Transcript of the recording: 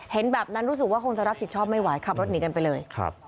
แบบนั้นรู้สึกว่าคงจะรับผิดชอบไม่ไหวขับรถหนีกันไปเลย